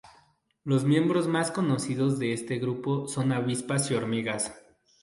Los miembros más conocidos de este grupo son avispas y hormigas.